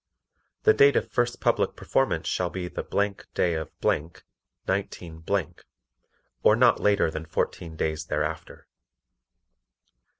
The date of first public performance shall be the day of , 19 , or not later than fourteen days thereafter.